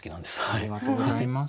ありがとうございます。